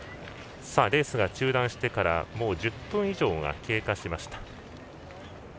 レースが中断してからもう１０分以上が経過しました。